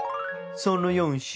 その４７